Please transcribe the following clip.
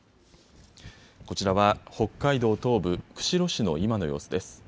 こちらは北海道東部、釧路市の今の様子です。